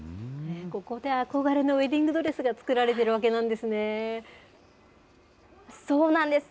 ここで憧れのウエディングドレスが作られているわけなんですそうなんです。